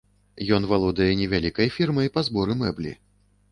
Ён валодае невялікай фірмай па зборы мэблі.